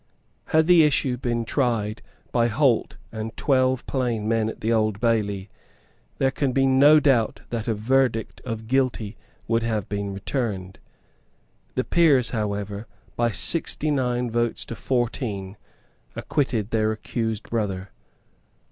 Had the issue been tried by Holt and twelve plain men at the Old Bailey, there can be no doubt that a verdict of Guilty would have been returned. The Peers, however, by sixty nine votes to fourteen, acquitted their accused brother.